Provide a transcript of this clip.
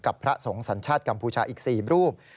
พระสงฆ์สัญชาติกัมพูชาอีก๔รูป